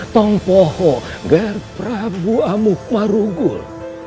tung poho gher prabu amukmarugul